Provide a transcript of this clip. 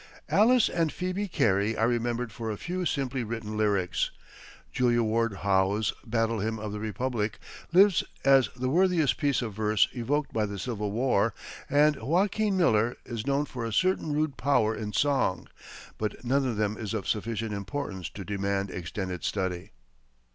Alice and Phoebe Cary are remembered for a few simply written lyrics; Julia Ward Howe's "Battle Hymn of the Republic" lives as the worthiest piece of verse evoked by the Civil War; and Joaquin Miller is known for a certain rude power in song; but none of them is of sufficient importance to demand extended study.